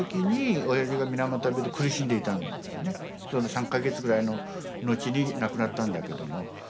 ３か月ぐらいの後に亡くなったんだけども。